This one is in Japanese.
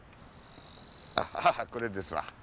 ああこれですわ。